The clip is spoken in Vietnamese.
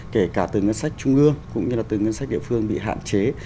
kể cả từ ngân sách trung ương cũng như là từ ngân sách địa phương bị hạn chế